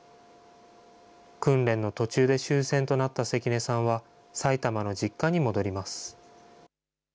訓練の途中で終戦となった関根さんは、埼玉の実家に戻ります。